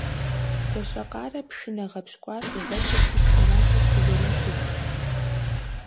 Гуащэкъарэ пшынэ гъэпщкӀуар къигъуэтырти, пшыналъэр къызэрихырт.